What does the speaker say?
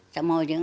saya mau dia